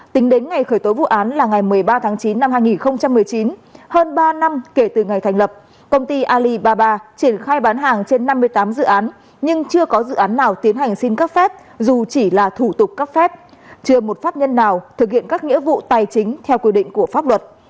tính đến ngày khởi tố vụ án là ngày một mươi ba tháng chín năm hai nghìn một mươi chín hơn ba năm kể từ ngày thành lập công ty alibaba triển khai bán hàng trên năm mươi tám dự án nhưng chưa có dự án nào tiến hành xin cấp phép dù chỉ là thủ tục cấp phép chưa một pháp nhân nào thực hiện các nghĩa vụ tài chính theo quy định của pháp luật